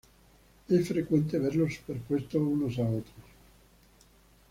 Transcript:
Es frecuente verlos superpuestos unos a otros.